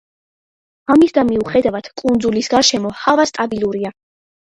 ამისდა მიუხედავად, კუნძულების გარშემო ჰავა სტაბილურია.